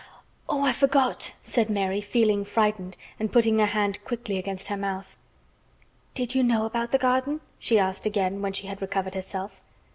"Oh! I forgot!" said Mary, feeling frightened and putting her hand quickly against her mouth. "Did you know about the garden?" she asked again when she had recovered herself.